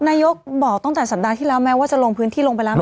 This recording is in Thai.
นายกบอกตั้งแต่สัปดาห์ที่แล้วแม้ว่าจะลงพื้นที่ลงไปแล้วไหม